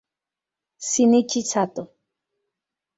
Shinichi Sato